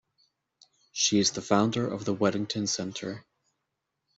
She is the founder of the Weddington Center.